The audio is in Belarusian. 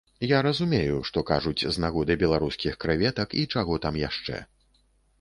Я разумею, што кажуць з нагоды беларускіх крэветак і чаго там яшчэ.